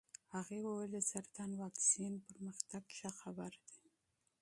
هغې وویل د سرطان واکسین پرمختګ ښه خبر دی.